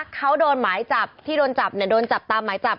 เขาโดนหมายจับที่โดนจับเนี่ยโดนจับตามหมายจับ